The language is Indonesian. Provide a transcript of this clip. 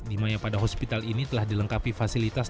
di maya pada hospital ini telah dilengkapi fasilitas